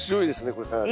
これかなり。